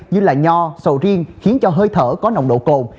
như là nho sầu riêng khiến cho hơi thở có nồng độ cồn